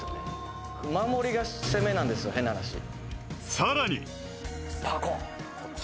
更に。